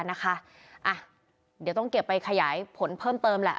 อ่ะเดี๋ยวต้องเก็บไปขยายผลเพิ่มเติมแหละ